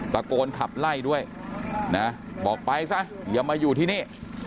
ตะโกนขับไล่ด้วยนะบอกไปซะอย่ามาอยู่ที่นี่